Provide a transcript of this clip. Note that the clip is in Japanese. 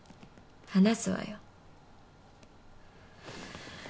話すわよ。